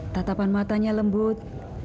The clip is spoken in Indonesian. tatapan matanya lembut